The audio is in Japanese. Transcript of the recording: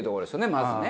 まずね。